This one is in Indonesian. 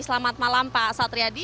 selamat malam pak satriadi